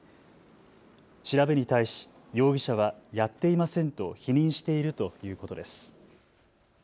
調べに対し容疑者はやっていませんと否認しているということです。